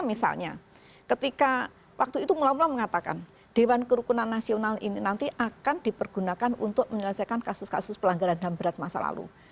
misalnya ketika waktu itu mula mula mengatakan dewan kerukunan nasional ini nanti akan dipergunakan untuk menyelesaikan kasus kasus pelanggaran ham berat masa lalu